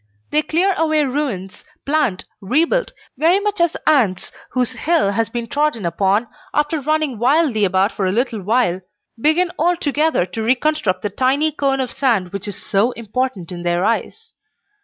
They clear away ruins, plant, rebuild, very much as ants whose hill has been trodden upon, after running wildly about for a little while, begin all together to reconstruct the tiny cone of sand which is so important in their eyes.